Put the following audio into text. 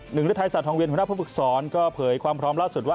หนึ่งฤทธิศาสตร์ทองเวียนหัวหน้าภูมิฝึกศรก็เผยความพร้อมล่าสุดว่า